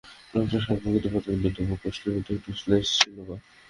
লোকটা সরল প্রকৃতির বটে কিন্তু তবু প্রশ্নের মধ্যে একটু শ্লেষ ছিল-বা।